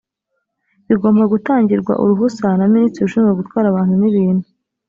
bigomba gutangirwa uruhusa na minisitiri ushinzwe gutwara abantu n’lbintu